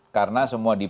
karena semua diberikan